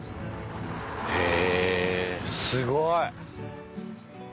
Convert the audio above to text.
へえすごい！